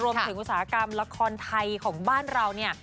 อุตสาหกรรมละครไทยของบ้านเราเนี่ย